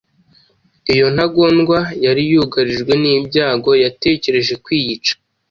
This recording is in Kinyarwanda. iyo ntagondwa yari yugarijwe n’ibyago yatekereje kwiyica